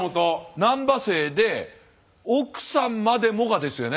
難波姓で奥さんまでもがですよね